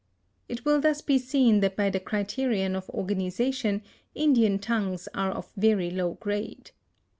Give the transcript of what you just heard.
It will thus be seen that by the criterion of organization Indian tongues are of very low grade.